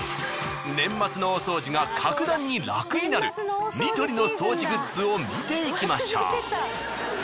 年末の大掃除が格段に楽になるニトリの掃除グッズを見ていきましょう。